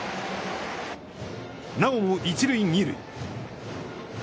なおも一塁二塁。